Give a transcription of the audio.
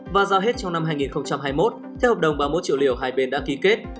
và giao hết trong năm hai nghìn hai mươi một theo hợp đồng ba mươi một triệu liều hai bên đã ký kết